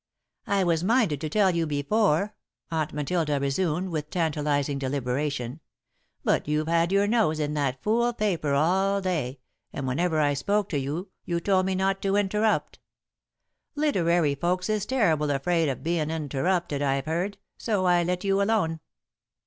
"I was minded to tell you before," Aunt Matilda resumed, with tantalising deliberation, "but you've had your nose in that fool paper all day, and whenever I spoke to you you told me not to interrupt. Literary folks is terrible afraid of bein' interrupted, I've heard, so I let you alone."